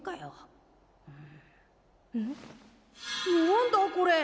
何だこれ？